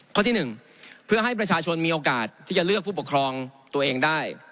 ข้อที่๑เพื่อให้ประชาชนมีโอกาสที่จะเลือกผู้ปกครองตัวเองได้